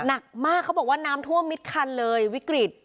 หนักมากเขาบอกว่าน้ำท่วมมิดคันเลยวิกฤต